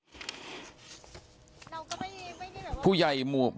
อ้าวกล้อมจิตอ่ะก็คืออธิษฐานะถ้าถูกหวยอะไรยังไง